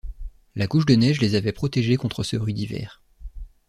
La couche de neige les avait protégées contre ce rude hiver.